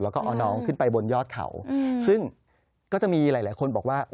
แล้วก็เอาน้องขึ้นไปบนยอดเขาซึ่งก็จะมีหลายหลายคนบอกว่า